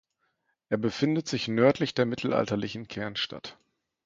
Er befindet sich nördlich der mittelalterlichen Kernstadt.